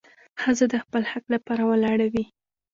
ښځه د خپل حق لپاره ولاړه وي.